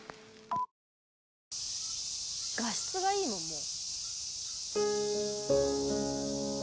「画質がいいもんもう」